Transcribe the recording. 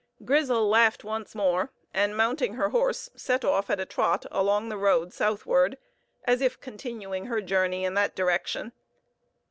Grizel laughed once more, and, mounting her horse, set off at a trot along the road southward, as if continuing her journey in that direction.